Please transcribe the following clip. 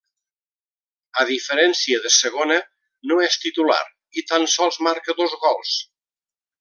A diferència de Segona, no és titular i tan sols marca dos gols.